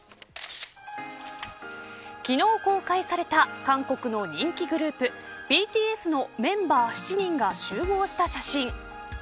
昨日公開された韓国の人気グループＢＴＳのメンバー７人が集合した写真。